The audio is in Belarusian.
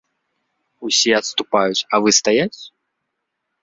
Усе адступаюць, а вы стаяць?